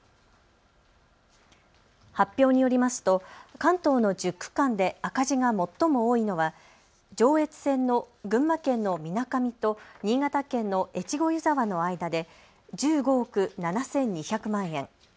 発表によりますと関東の１０区間で赤字が最も多いのは上越線の群馬県の水上と新潟県の越後湯沢の間で１５億７２００万円。